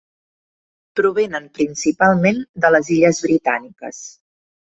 Provenen principalment de les Illes Britàniques.